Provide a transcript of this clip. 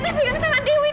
nenek pegang tangan dewi nek